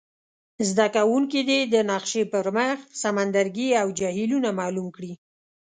زده کوونکي دې د نقشي پر مخ سمندرګي او جهیلونه معلوم کړي.